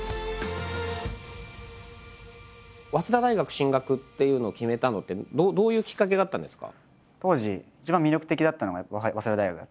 早稲田大学進学っていうのを決めたのってどういうきっかけがあったんですか？